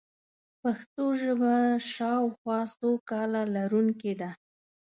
پښتو ژبه شاوخوا څو کاله لرونکې ده.